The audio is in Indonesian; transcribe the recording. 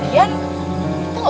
disini kan udah ada